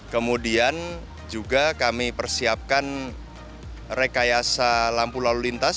kemudian juga kami persiapkan rekayasa lampu lalu lintas